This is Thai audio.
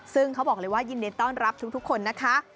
ซึ่งเขาบอกเลยว่ายินดีต้อนรับทุกคนนะคะ